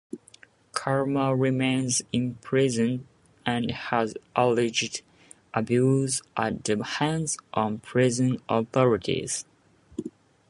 Karma remains imprisoned and has alleged abuse at the hands of prison authorities.